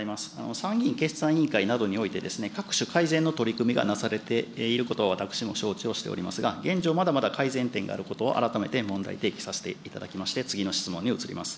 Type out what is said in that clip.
参議院決算委員会などにおいて、各種改善の取り組みがなされていることは、私も承知をしておりますが、現状まだまだ改善点があることを改めて問題提起させていただきまして、次の質問に移ります。